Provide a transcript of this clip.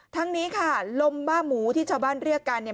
ทั้งนี้ค่ะลมบ้าหมูที่ชาวบ้านเรียกกันเนี่ย